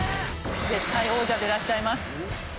絶対王者でいらっしゃいます。